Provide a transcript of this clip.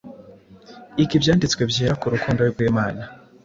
Iga Ibyanditswe Byera ku rukundo rw’Imana,